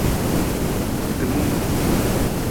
Timung.